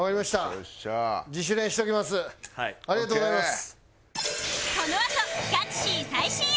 ありがとうございます。